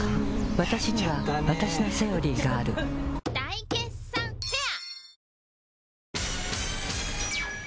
わたしにはわたしの「セオリー」がある大決算フェア